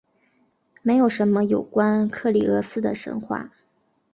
没有什么有关克利俄斯的神话。